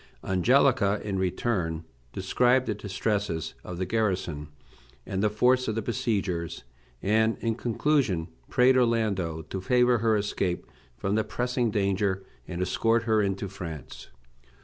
Angelica, in return, described the distresses of the garrison, and the force of the besiegers; and in conclusion prayed Orlando to favor her escape from the pressing danger, and escort her into France.